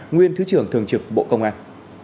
nguyên thứ trưởng thường trực bộ công an